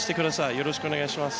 よろしくお願いします。